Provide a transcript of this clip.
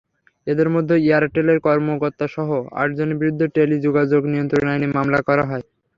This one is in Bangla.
এঁদের মধ্যে এয়ারটেলের কর্মকর্তাসহ আটজনের বিরুদ্ধে টেলিযোগাযোগ নিয়ন্ত্রণ আইনে মামলা করা হয়।